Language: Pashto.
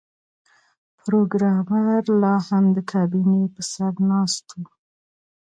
پروګرامر لاهم د کابینې پر سر ناست و